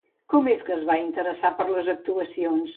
Com és que es va interessar per les actuacions?